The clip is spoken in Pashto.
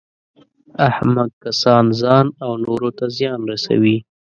احمق کسان ځان او نورو ته زیان رسوي.